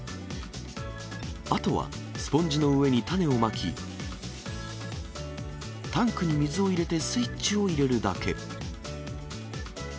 あとは、スポンジの上に種をまき、タンクに水を入れて、スイッチを入れるだけ。